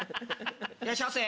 いらっしゃいませ。